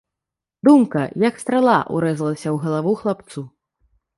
Думка, як страла, урэзалася ў галаву хлапцу.